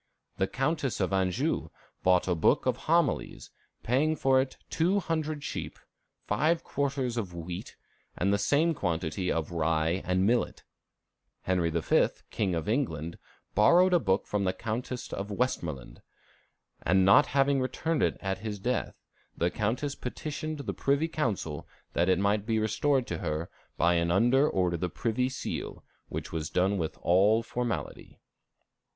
The Countess of Anjou bought a book of Homilies, paying for it two hundred sheep, five quarters of wheat, and the same quantity of rye and millet. Henry V., King of England, borrowed a book from the Countess of Westmoreland; and not having returned it at his death, the Countess petitioned the Privy Council that it might be restored to her by an order under the privy seal, which was done with all formality.